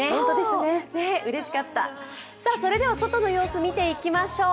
それでは外の様子を見ていきましょう。